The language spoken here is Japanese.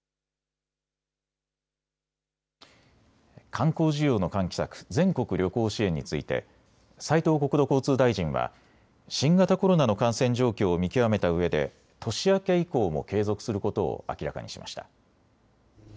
観光需要の喚起策、全国旅行支援について斉藤国土交通大臣は新型コロナの感染状況を見極めたうえで年明け以降も継続することを明らかにしました。